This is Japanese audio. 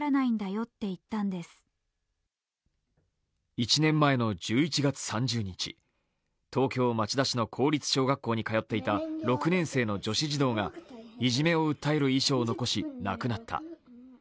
１年前の１１月３０日、東京・町田市の公立小学校に通っていた６年生の女子児童がいじめを訴える遺書を残し、亡くなった。